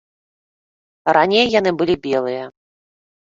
Раней яны былі белыя.